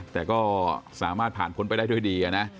แต่ก็สามารถผ่านพ้นไปได้ด้วยดีนะ